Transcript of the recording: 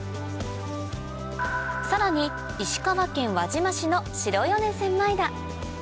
さらに石川県輪島市の白米千枚田